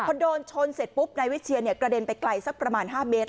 พอโดนชนเสร็จปุ๊บนายวิเชียนกระเด็นไปไกลสักประมาณ๕เมตร